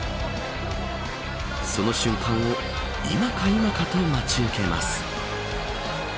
その瞬間を今か今かと待ち受けます。